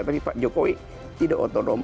tapi pak jokowi tidak otonom